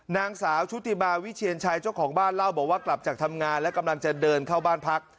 นางสาวชุติมาวิเชียนชัยเจ้าของบ้านเล่าบอกว่ากลับจากทำงานและกำลังจะเดินเข้าบ้านพัก